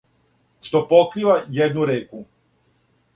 Што покрива једну реку